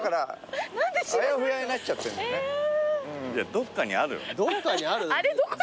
どっかにあるん？